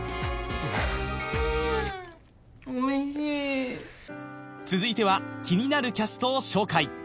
おいしい続いては気になるキャストを紹介